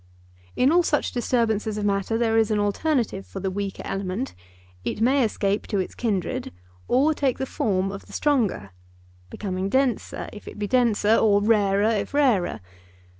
In all such disturbances of matter there is an alternative for the weaker element: it may escape to its kindred, or take the form of the stronger—becoming denser, if it be denser, or rarer if rarer.